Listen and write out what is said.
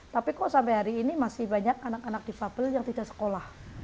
tapi kok sampai hari ini masih banyak anak anak difabel yang tidak sekolah